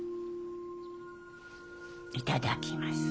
いただきます。